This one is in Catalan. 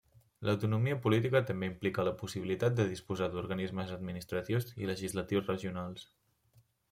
L'autonomia política també implica la possibilitat de disposar d'organismes administratius i legislatius regionals.